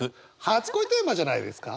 「初恋」テーマじゃないですか？